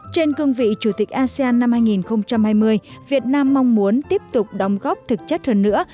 trên cương vị chủ tịch asean năm hai nghìn hai mươi việt nam mong muốn tiếp tục đóng góp thực chất hơn nữa